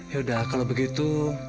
ya udah kalau begitu